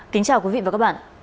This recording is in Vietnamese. kính chào quý vị và các bạn